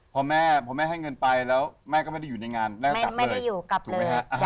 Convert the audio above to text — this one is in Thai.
พอแม่ให้เงินไปแล้วแม่ก็ไม่ได้อยู่ในงานแม่ก็กลับเลย